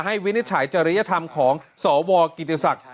วินิจฉัยจริยธรรมของสวกิติศักดิ์